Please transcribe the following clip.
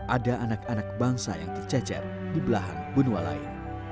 ada anak anak bangsa yang tercecer di belahan benua lain